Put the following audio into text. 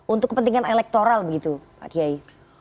untuk kepentingan elektoral begitu pak kiai